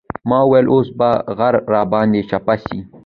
ما ويل اوس به غر راباندې چپه سي.